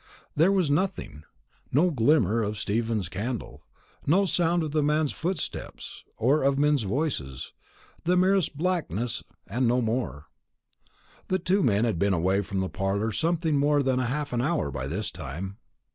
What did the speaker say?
There was nothing, no glimmer of Stephen's candle, no sound of men's footsteps or of men's voices; the merest blankness, and no more. The two men had been away from the parlour something more than half an hour by this time.